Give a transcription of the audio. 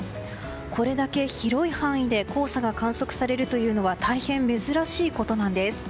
これだけ広い範囲で黄砂が観測されるというのは大変珍しいことなんです。